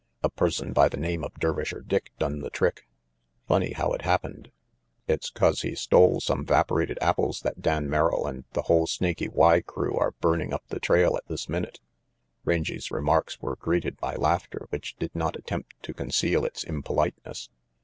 A person by the name of Dervisher Dick done the trick. Funny how it happened. It's 'cause he stole some Vaporated apples that Dan Merrill and the whole Snaky Y crew are burning up the trail at this minute. " Rangy's remarks were greeted by laughter which did not attempt to conceal its impoliteness.